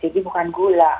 jadi bukan gula